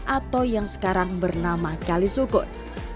atau yang sekarang bernama kali sukut